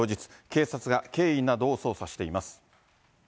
警察が経緯などを捜査しています。